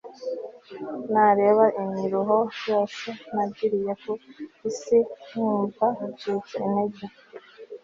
nareba imiruho yose nagiriye kuri iyi si, nkumva ncitse intege